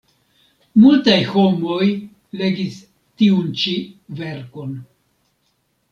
Multaj homoj legis tiun ĉi verkon.